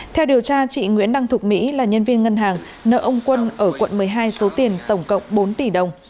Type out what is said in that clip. theo điều tra chị nguyễn đăng thục mỹ là nhân viên ngân hàng nợ ông quân ở quận một mươi hai số tiền tổng cộng bốn tỷ đồng